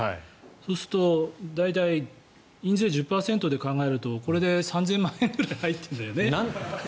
そうすると大体印税１０％で考えるとこれで３０００万円ぐらい入ってるんだよね。